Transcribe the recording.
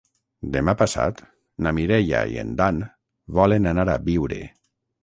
Demà passat na Mireia i en Dan volen anar a Biure.